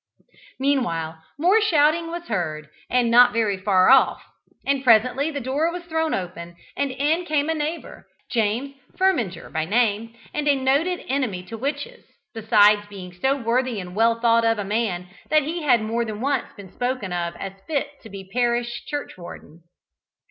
Meanwhile more shouting was heard, and not very far off, and presently the door was thrown open, and in came a neighbour, James Firminger by name, and a noted enemy to witches, besides being so worthy and well thought of a man that he had more than once been spoken of as fit to be parish churchwarden.